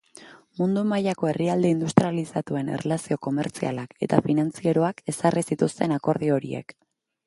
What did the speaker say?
Mundu mailako herrialde industrializatuen erlazio komertzialak eta finantzieroak ezarri zituzten akordio horiek.